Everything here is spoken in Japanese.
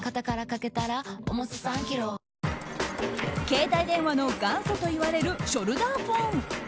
携帯電話の元祖といわれるショルダーフォン。